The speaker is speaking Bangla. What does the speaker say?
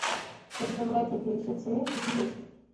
পতিতালয় থেকে এসেছে তো কি হয়েছে?